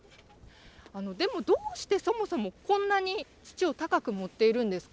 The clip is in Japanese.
でも、どうしてそもそもこんなに土を高く盛っているんですか？